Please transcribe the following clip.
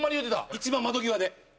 一番窓際で。